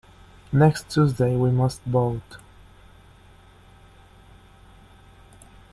Next Tuesday we must vote.